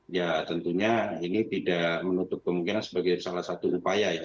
ya tentunya ini tidak menutup kemungkinan sebagai salah satu upaya ya